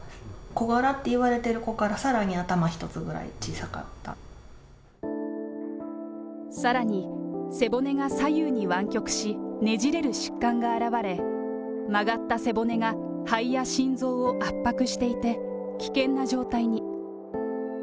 小柄って言われてる子から、さらに、背骨が左右に湾曲し、ねじれる疾患があらわれ、曲がった背骨が肺や心臓を圧迫していて、危険な状態に。